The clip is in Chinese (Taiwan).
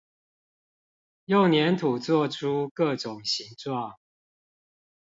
用黏土做出各種形狀